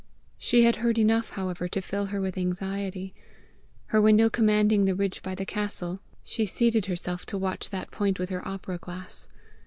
She had heard enough, however, to fill her with anxiety. Her window commanding the ridge by the castle, she seated herself to watch that point with her opera glass.